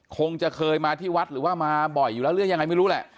คงจะเคยมาที่วัดหรือว่ามาบ่อยอยู่แล้วหรือยังไงไม่รู้แหละ